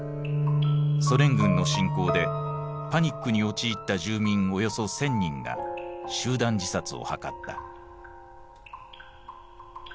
ソ連軍の侵攻でパニックに陥った住民およそ１，０００人が集団自殺を図った。